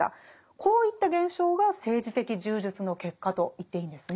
こういった現象が政治的柔術の結果と言っていいんですね？